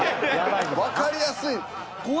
わかりやすい。